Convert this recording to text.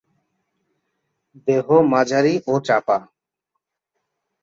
দেহ মাঝারি ও চাপা।